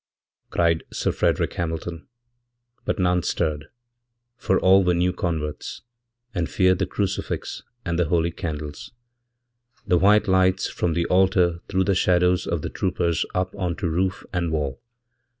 cried Sir Frederick Hamilton, but nonestirred, for all were new converts, and feared the crucifix and theholy candles. The white lights from the altar threw the shadows ofthe troopers up on to roof and wall.